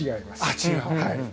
あっ違う。